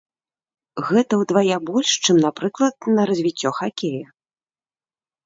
Гэта ўдвая больш, чым, напрыклад, на развіццё хакея.